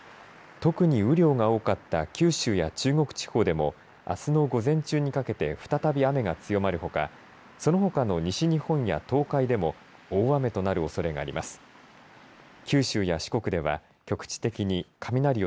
特に雨量が多かった九州や中国地方でもあすの午前中にかけて再び雨が強まるほかそのほかの西日本や東海でも大雨となるおそれがあります。